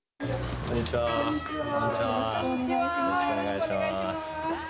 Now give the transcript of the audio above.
よろしくお願いします。